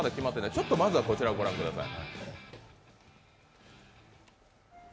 ちょっとまずはこちらをご覧ください。